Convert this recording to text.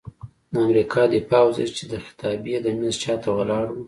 د امریکا د دفاع وزیر چې د خطابې د میز شاته ولاړ و،